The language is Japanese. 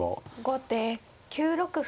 後手９六歩。